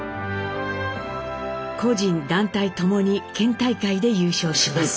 個人団体ともに県大会で優勝します。